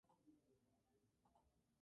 El vientre suele ser pálido.